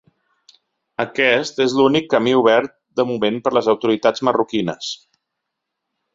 Aquest és l'únic camí obert de moment per les autoritats marroquines.